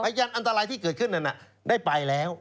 ยันอันตรายที่เกิดขึ้นนั้นได้ไปแล้ว